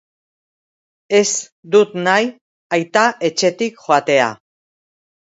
Ez dut nahi aita etxetik joatea!